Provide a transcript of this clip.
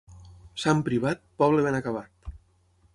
Sant Privat, poble ben acabat.